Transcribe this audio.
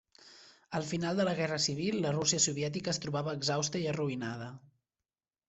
Al final de la Guerra Civil, la Rússia Soviètica es trobava exhausta i arruïnada.